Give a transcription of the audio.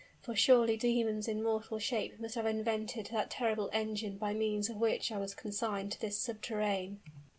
For surely demons in mortal shape must have invented that terrible engine by means of which I was consigned to this subterrane!"